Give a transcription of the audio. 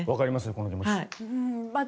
この気持ち。